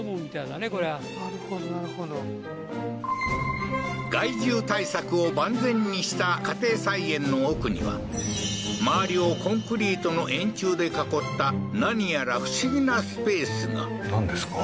なるほどなるほど害獣対策を万全にした家庭菜園の奥には周りをコンクリートの円柱で囲った何やら不思議なスペースがなんですか？